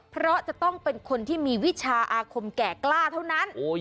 เพราะจะต้องเป็นคนที่มีวิชาอาคมแก่กล้าเท่านั้น